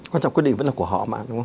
quan trọng quy định vẫn là của họ